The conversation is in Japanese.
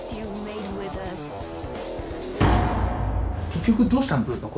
結局どうしたんですか？